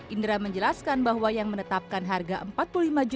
indra menjelaskan bahwa yang menetapkan harga rp empat puluh lima juta untuk paket kremasi